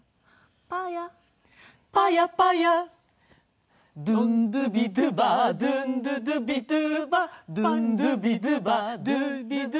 「パヤ」「パヤパヤ」「ドゥドゥビドゥバ」「ドゥドゥドゥビドゥバ」「ドゥドゥビドゥバドゥビドゥバ」